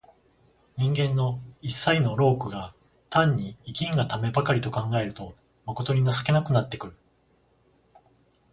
人間の一切の労苦が単に生きんがためばかりと考えると、まことに情けなくなってくる。